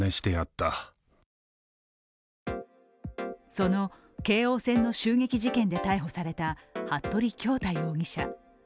その京王線の襲撃事件で逮捕された服部恭太容疑者。